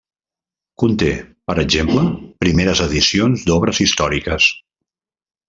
Conté, per exemple, primeres edicions d'obres històriques.